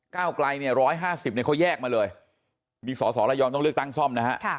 ก้าวกลายเนี่ยร้อยห้าสิบเนี่ยเขาแยกมาเลยมีสอสอแล้วยอมต้องเลือกตั้งซ่อมนะฮะค่ะ